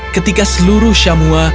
ketika seluruh samoa